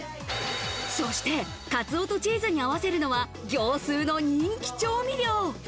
そしてカツオとチーズに合わせるのは、業スーの人気調味料。